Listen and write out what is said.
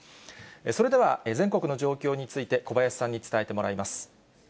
それでは全国の状況について、小林さんに伝えてもらいます。